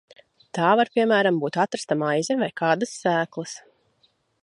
Tā var, piemēram, būt atrasta maize vai kādas sēklas.